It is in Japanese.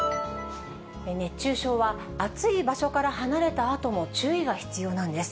熱中症は暑い場所から離れたあとも注意が必要なんです。